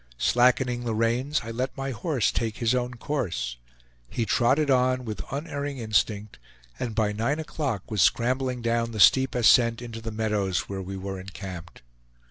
Slackening the reins, I let my horse take his own course. He trotted on with unerring instinct, and by nine o'clock was scrambling down the steep ascent into the meadows where we were encamped.